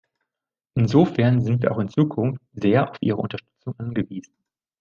Insofern sind wir auch in Zukunft sehr auf Ihre Unterstützung angewiesen.